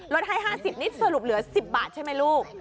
ลดให้๕๐นิดสรุปเหลือ๑๐บาทใช่ไหมลูก